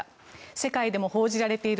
世界でも報じられている